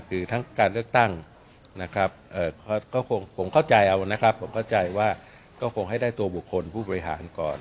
การเลือกตั้งนะครับผมเข้าใจว่าคงให้ได้ตัวบุคคลผู้บริหารก่อน